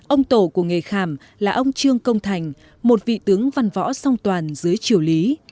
ông tổ của nghề khảm là ông trương công thành một vị tướng văn võ song toàn dưới chiều lý